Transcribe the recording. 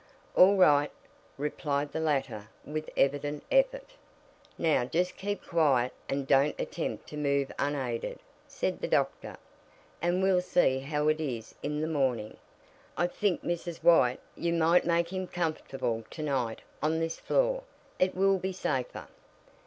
"All right," replied the latter with evident effort. "Now just keep quiet, and don't attempt to move unaided," said the doctor, "and we'll see how it is in the morning. I think, Mrs. White, you might make him comfortable to night on this floor. It will be safer."